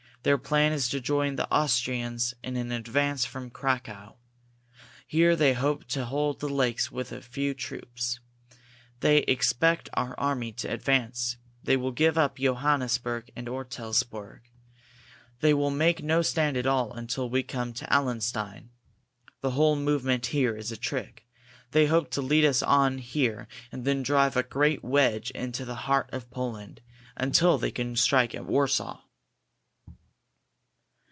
Their plan is to join the Austrians in an advance from Cracow. Here they hope to hold the lakes with a few troops. They expect our army to advance. They will give up Johannisberg and Ortelsburg. They will make no stand at all until we come to Allenstein. The whole movement here is a trick. They hope to lead us on here and then drive a great wedge into the heart of Poland, until they can strike at Warsaw."